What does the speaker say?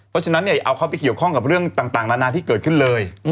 เพราะฉะนั้นเนี่ยอย่าเอาเขาไปเกี่ยวข้องกับเรื่องต่างนานาที่เกิดขึ้นเลย